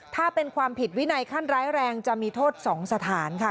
ถ้าเป็นความผิดวินัยขั้นร้ายแรงจะมีโทษ๒สถานค่ะ